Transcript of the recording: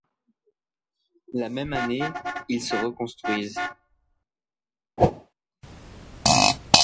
La même année, ils se reconstruisent.